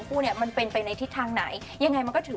ปีนี้ก็นั่งพิมพ์แล้วก็มองตั้งนานแล้วก็โอเค๑๐๐๐๐๐ส่ง